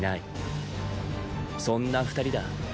そんな二人だ。